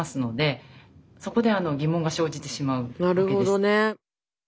なるほどね。